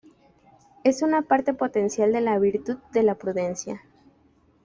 Es una parte potencial de la virtud de la prudencia.